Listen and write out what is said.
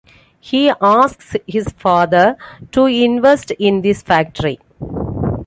He asks his father to invest in this factory.